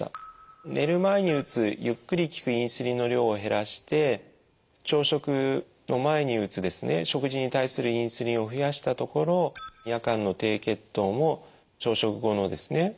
寝る前に打つゆっくり効くインスリンの量を減らして朝食の前に打つ食事に対するインスリンを増やしたところ夜間の低血糖も朝食後のですね